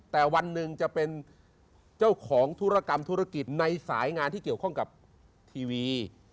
แต่วันหนึ่งจะเป็นเจ้าของธุรกรรมธุรกิจในสายงานที่เกี่ยวข้องกับทีวี